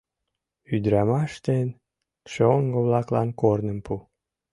«Ӱдырамаш ден шоҥго-влаклан корным пу».